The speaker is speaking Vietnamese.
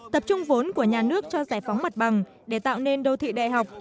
tập trung vốn của nhà nước cho giải phóng mặt bằng để tạo nên đô thị đại học